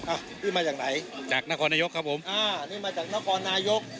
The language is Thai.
อ่ะนี่มาจากไหนจากนครนายกครับผมอ่านี่มาจากนครนายก